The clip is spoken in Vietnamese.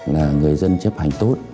là người dân chấp hành tốt